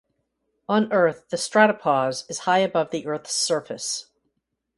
On Earth, the stratopause is high above the Earth's surface.